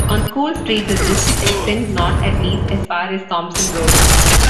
On School Street the district extends north at least as far as Thompson Road.